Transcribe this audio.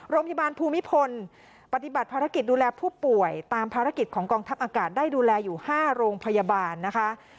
โรงพยาบาลภูมิพลปฏิบัติภารกิจดูแลผู้ป่วยตามภารกิจของกองทัพอากาศได้ดูแลอยู่๕โรงพยาบาลนะคะ